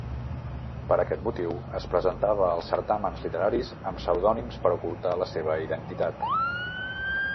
Per aquest motiu es presentava als certàmens literaris amb pseudònims per ocultar la seva identitat.